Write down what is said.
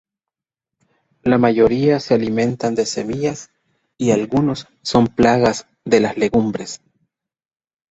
La mayoría se alimentan de semillas y algunos son plagas de las legumbres.